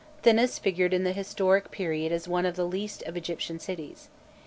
Thinis figured in the historic period as one of the least of Egyptian cities.